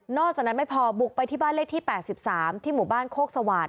จากนั้นไม่พอบุกไปที่บ้านเลขที่๘๓ที่หมู่บ้านโคกสวาส